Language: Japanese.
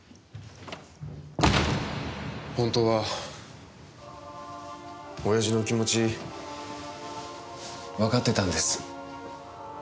本当は親父の気持ちわかってたんです。